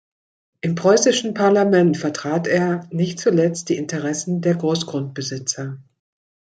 Im preußischen Parlament vertrat er nicht zuletzt die Interessen der Großgrundbesitzer.